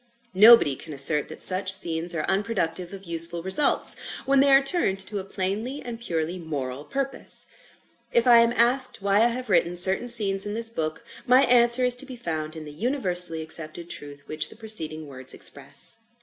Nobody can assert that such scenes are unproductive of useful results, when they are turned to a plainly and purely moral purpose. If I am asked why I have written certain scenes in this book, my answer is to be found in the universally accepted truth which the preceding words express.